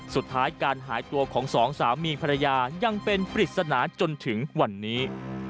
สุดท้ายการหายตัวของสองสามีภรรยายังเป็นปริศนาจนถึงวันนี้